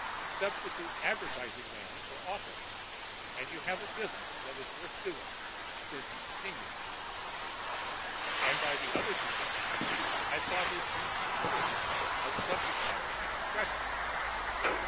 Substitute 'advertising man' for 'author' and you have a business that is worth doing (since you continue it)—and by the other two questions I saw his incongruity of subject matter and expression.'